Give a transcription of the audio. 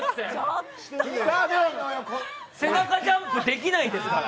背中ジャンプできないですから。